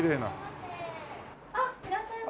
あっいらっしゃいませ。